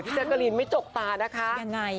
พี่นักกะลินไม่จกตานะคะยังไง